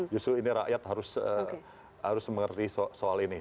justru ini rakyat harus mengerti soal ini